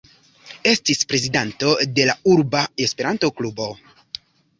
Estis prezidanto de la urba E-klubo.